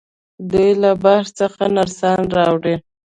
دوی له بهر څخه نرسان راوړي.